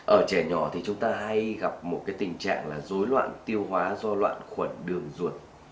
ở trẻ nhỏ thì chúng ta hay gặp một cái tình trạng là dối loạn tiêu hóa do loạn khuẩn đường ruột